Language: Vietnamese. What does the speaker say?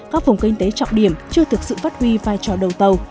các vùng kinh tế trọng điểm chưa thực sự phát huy vai trò đầu tàu